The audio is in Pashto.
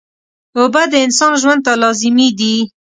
اوبه د انسان ژوند ته لازمي دي